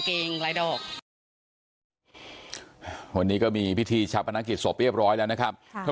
น้องจ้อยนั่งก้มหน้าไม่มีใครรู้ข่าวว่าน้องจ้อยเสียชีวิตไปแล้ว